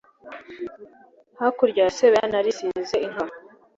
Hakurya ya Sebeya narisize inkaba